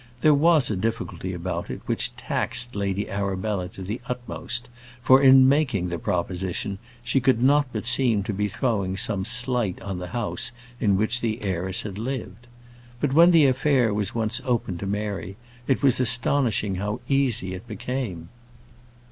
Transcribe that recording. There was a difficulty about it which taxed Lady Arabella to the utmost, for, in making the proposition, she could not but seem to be throwing some slight on the house in which the heiress had lived. But when the affair was once opened to Mary, it was astonishing how easy it became.